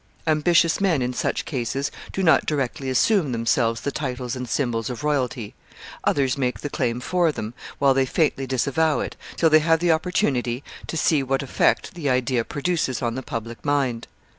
Ambitious men, in such cases, do not directly assume themselves the titles and symbols of royalty. Others make the claim for them, while they faintly disavow it, till they have opportunity to gee what effect the idea produces on the public mind.